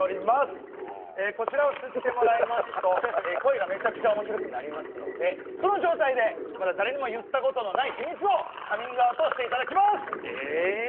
ああこちらを吸ってもらいますと声がメチャクチャ面白くなりますのでその状態でまだ誰にも言ったことのない秘密をカミングアウトしていただきますえっ？